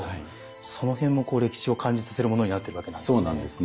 そのへんもこう歴史を感じさせるものになってるわけなんですね。